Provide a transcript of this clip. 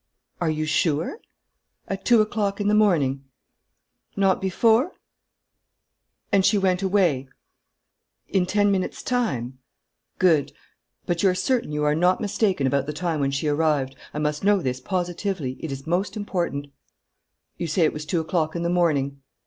Are you sure?... At two o'clock in the morning?... Not before?... And she went away?... In ten minutes time?... Good ... But you're certain you are not mistaken about the time when she arrived? I must know this positively: it is most important.... You say it was two o'clock in the morning?